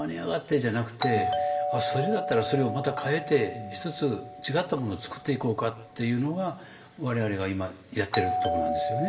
じゃなくてあっそれだったらそれをまた変えて１つ違ったものを作っていこうかっていうのが我々が今やってるとこなんですよね。